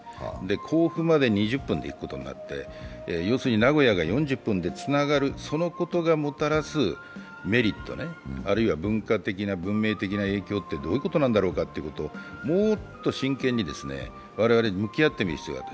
甲府まで２０分で行くことになって要するに名古屋が４０分でつながる、そのことがもたらすメリットね、あるいは文化的・文明的な影響というのはどういうことなんだろうかっていうことをもっと真剣に我々、向き合ってみる必要がある。